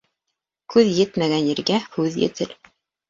Күҙ етмәгән ергә һүҙ етер.